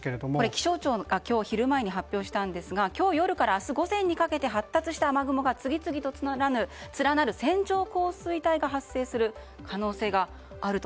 気象庁が今日昼前に発表したんですが今日夜から明日午前にかけて発達した雨雲が次々と連なる線状降水帯が発生する可能性があると。